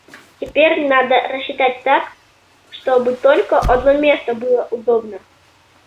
Теперь надо рассчитать так, чтобы только одно место было удобно.